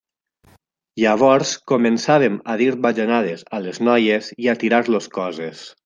Llavors començàvem a dir bajanades a les noies i a tirar-los coses.